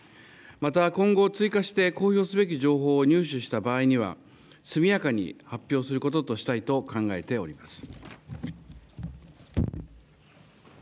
また、今後、追加して公表すべき情報を入手した場合には、速やかに発表することとしたいと考えております。